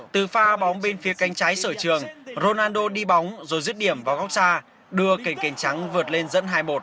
ra bóng bên phía canh trái sở trường ronaldo đi bóng rồi giết điểm vào góc xa đưa kền kền trắng vượt lên dẫn hai một